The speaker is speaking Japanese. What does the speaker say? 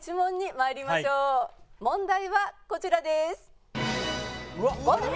問題はこちらです。